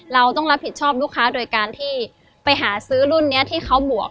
เราต้องรับผิดชอบลูกค้าโดยการที่ไปหาซื้อรุ่นนี้ที่เขาบวก